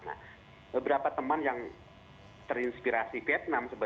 nah beberapa tahun lalu setiap daerah setiap kota setiap provinsi merayakannya sangat semarak